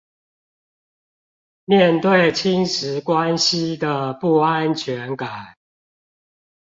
面對侵蝕關係的不安全感